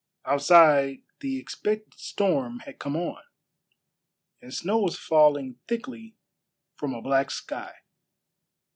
Outside the expected storm had come on, and snow was falling thickly from a black sky.